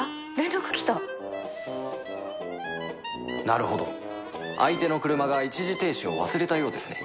なるほど相手の車が一時停止を忘れたようですね